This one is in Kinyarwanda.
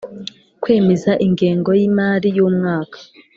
Kwemeza ingengo y’imari y’umwaka;